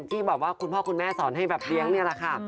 ที่แบบว่าคุณพ่อคุณแม่สอนให้แบบเลี้ยงนี่แหละค่ะ